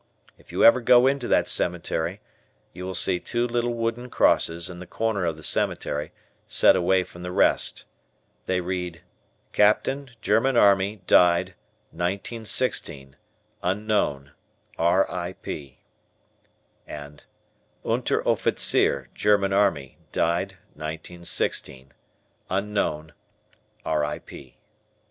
If you ever go into that cemetery you will see two little wooden crosses in the corner of the cemetery set away from the rest. They read: Captain German Army Died 1916 Unknown R. I. P. Unteroffizier German Army Died 1916 Unknown R.I.P.